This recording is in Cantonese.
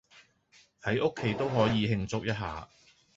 喺屋企都可以慶祝一下